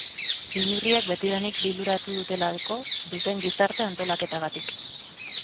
Inurriek betidanik liluratu dutelako duten gizarte antolaketagatik.